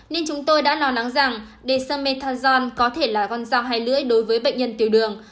nên chúng tôi đã lo nắng rằng dexamethasone có thể là con dao hay lưỡi đối với bệnh nhân tiểu đường